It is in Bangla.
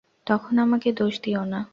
তখন আমাকে দোষ দিয়ো না।